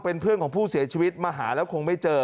เป็นเพื่อนของผู้เสียชีวิตมาหาแล้วคงไม่เจอ